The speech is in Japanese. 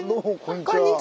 こんにちは。